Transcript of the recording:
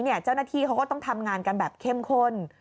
เจ้าหน้าที่เขาก็ต้องทำงานกันแบบเข้มข้น